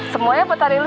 semuanya buat hari lu